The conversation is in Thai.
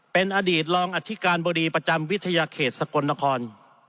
เป็นอดีตรองอธิการบดีประจำวิทยาเขตสกลนคร